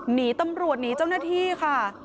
หนีตำรวจหนีเจ้าหน้าที่ค่ะ